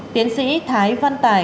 tiến sĩ thái văn tài